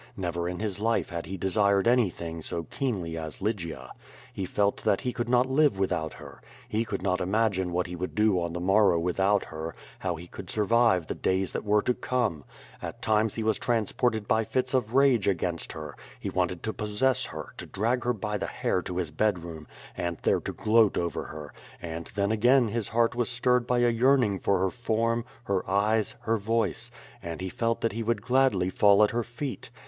Never in his life had he desired anything so keenly as Lygia. He felt that he could not live without her. He could not imagine what lie would do on the morrow without her, how he could sur Yive the days that were to come. At times he was trans ported by fits of rage against her. He wanted to ])088C88 her, to drag her by the hair to his bed room, and there to gloat over her; and then again his heart was stirred by a yearn ing for her form, her eyes, her voice, and he felt that he go QUO VADI8. would gladly fall at her feet.